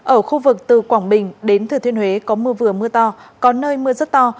ở khu vực từ quảng bình đến thừa thiên huế có mưa vừa mưa to có nơi mưa rất to